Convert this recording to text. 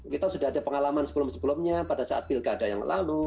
kita sudah ada pengalaman sebelum sebelumnya pada saat pilkada yang lalu